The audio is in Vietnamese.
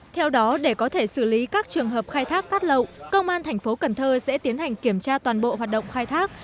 theo đó để có thể xử lý các trường hợp khai thác cát lậu công an tp cn sẽ tiến hành kiểm tra toàn bộ hoạt động khai thác